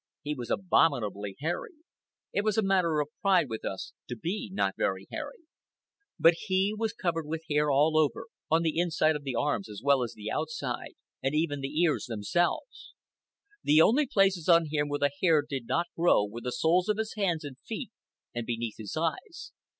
He was abominably hairy. It was a matter of pride with us to be not very hairy. But he was covered with hair all over, on the inside of the arms as well as the outside, and even the ears themselves. The only places on him where the hair did not grow were the soles of his hands and feet and beneath his eyes.